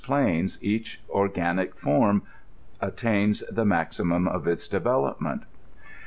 61 plains each organic form attains the maximum of its develop ment.